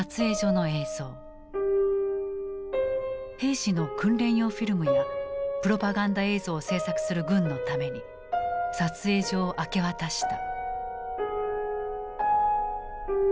兵士の訓練用フィルムやプロパガンダ映像を制作する軍のために撮影所を明け渡した。